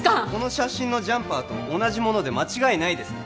写真のジャンパーと同じもので間違いないですね？